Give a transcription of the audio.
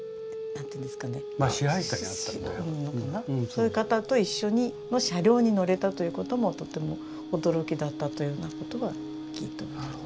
そういう方と一緒の車両に乗れたという事もとても驚きだったというような事は聞いております。